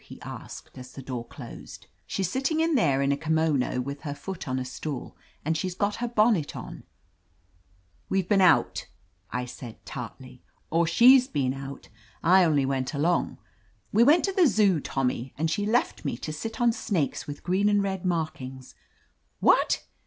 he asked, as the door closed "She's sitting in there in a kimono, with her foot on a stool, and she's got her bonnet on," "WeVe been out," I said tartly. "Or she's been out. I only went along. We went to the Zoo, Tommy, and she left me to sit on snakes with green and red tnarkings —" "What!"